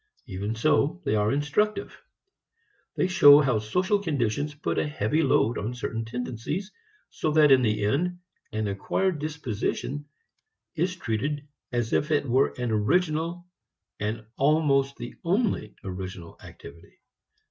Even so they are instructive. They show how social conditions put a heavy load on certain tendencies, so that in the end an acquired disposition is treated as if it were an original, and almost the only original activity.